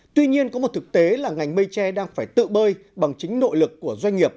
tuy nhiên có một thực tế là ngành mây tre đang phải tự bơi bằng chính nội lực của doanh nghiệp